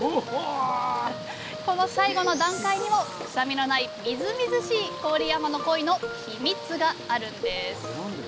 この最後の段階にも臭みのないみずみずしい郡山のコイのヒミツがあるんです。